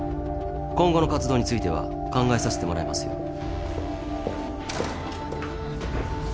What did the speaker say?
今後の活動については考えさせてもらいますよ。